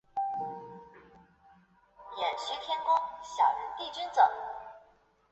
北齐天保三年三月一日葬于邺城之西的西陵。